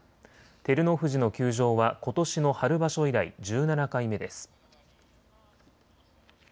照ノ富士の休場はことしの春場所以来、１７回目です。